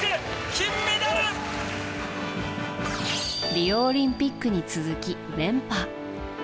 リオオリンピックに続き連覇。